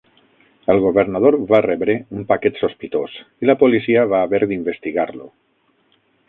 El governador va rebre un paquet sospitós i la policia va haver d'investigar-lo.